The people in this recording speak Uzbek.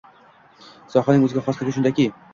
Sohaning o‘ziga xosligi shundaki